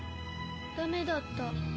ダメだった。